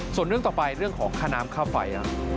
ส่วนเรื่องต่อไปเรื่องของค่าน้ำค่าไฟ